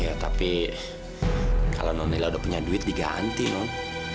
ya tapi kalau nonela udah punya duit diganti non